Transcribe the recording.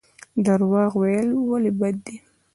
درواغ ویل ولې بد دي؟